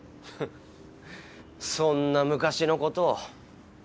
フッそんな昔のことを？